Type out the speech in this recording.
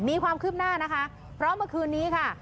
มีความคืบหน้านะคะเพราะเมื่อคืนนี้ค่ะ